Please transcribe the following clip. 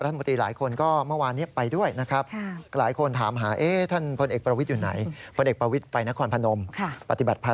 รัฐมนตรีหลายคนก็เมื่อวานนี้ไปด้วยนะครับ